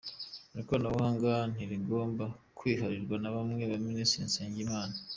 Ikoranabuhanga ntirigomba kwiharirwa na bamwe Minisitiri Nsengimana